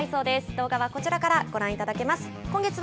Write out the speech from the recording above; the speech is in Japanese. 動画はこちらからご覧いただけます。